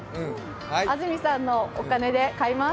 安住さんのお金で買います。